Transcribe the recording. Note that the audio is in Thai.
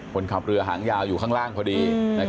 คนขับเรือหางยาวอยู่ข้างล่างพอดี